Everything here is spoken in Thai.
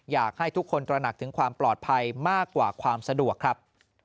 อยากให้ทุกคนตระหนักถึงความปลอดภัยมากกว่าความสะดวกครับ